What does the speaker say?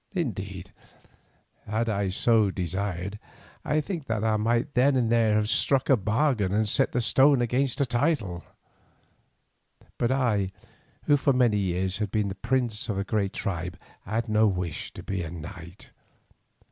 Indeed, had I so desired, I think that I might then and there have struck a bargain, and set the stone against a title; but I, who for many years had been the prince of a great tribe, had no wish to be a knight.